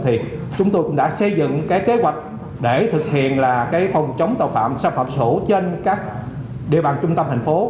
thì chúng tôi cũng đã xây dựng cái kế hoạch để thực hiện là cái phòng chống tội phạm xâm phạm sổ trên các địa bàn trung tâm thành phố